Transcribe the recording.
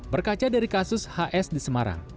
berkaca dari kasus hs di semarang